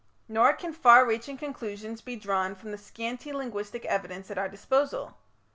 Nor can far reaching conclusions be drawn from the scanty linguistic evidence at our disposal.